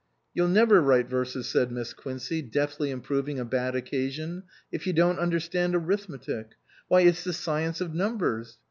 " You'll never write verses," said Miss Quincey, deftly improving a bad occasion, "if you don't understand arithmetic. Why, it's the science of numbers.